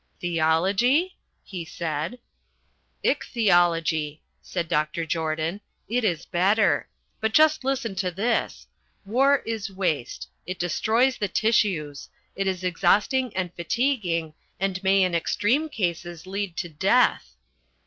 "Theology?" he said. "Ichthyology," said Dr. Jordan. "It is better. But just listen to this. War is waste. It destroys the tissues. It is exhausting and fatiguing and may in extreme cases lead to death."